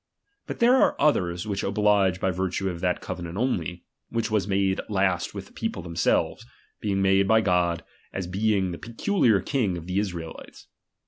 But there are others which oblige by virtue of that covenant only, which was made last with the people themselves ; being made by God, as being the peculiar king of the Israelites.